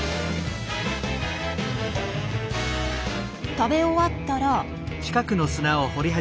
食べ終わったら。